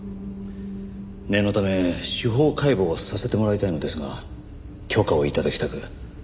念のため司法解剖をさせてもらいたいのですが許可を頂きたく。